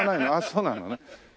あそうなのね。